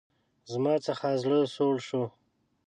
زما څخه زړه سوړ شو.